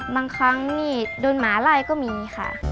บางครั้งนี่โดนหมาไล่ก็มีค่ะ